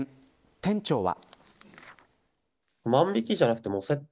店長は。